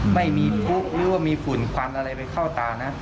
ไม่มีฝุ่นควันอะไรมาเข้าตานะ